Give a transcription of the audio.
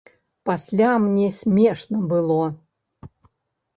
Пасля мне смешна было.